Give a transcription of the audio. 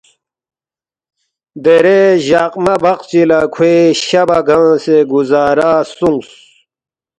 دیرے جقما بقچی لہ کھوے شہ بہ گنگسے گُزارہ سونگس